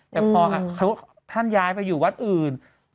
แต่พอท่านย้ายไปอยู่วัดอื่น